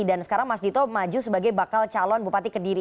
dan sekarang mas dito maju sebagai bakal calon bupati kediri